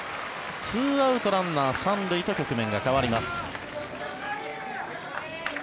２アウト、ランナー３塁と局面が変わります。